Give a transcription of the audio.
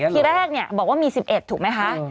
ทีแรกบอกว่ามี๑๑ถูกไหมคะ